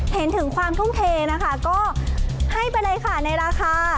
เห็นถึงความทุ่มเทนะคะก็ให้ไปเลยค่ะในราคา